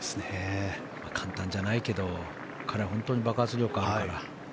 簡単じゃないけど彼は本当に爆発力があるから。